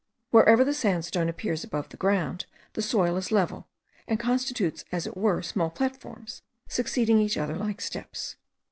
Wherever the sandstone appears above ground the soil is level, and constitutes as it were small platforms, succeeding each other like steps.